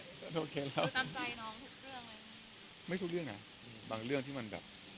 ก็โอเคครับคือตามใจน้องทุกเรื่องไหมไม่ทุกเรื่องอ่ะบางเรื่องที่มันแบบ